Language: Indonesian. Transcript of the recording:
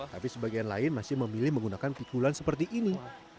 tapi sebagian lain masih memilih menggunakan pikulan seperti ini